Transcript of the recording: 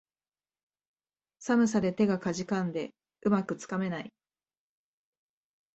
寒さで手がかじかんで、うまくつかめない